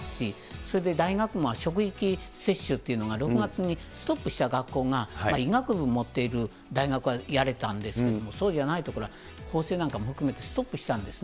それで大学も職域接種っていうのが、６月にストップした学校が医学部持っている大学はやれたんですけども、そうじゃないところは、法政なんかも含めてストップしたんですよね。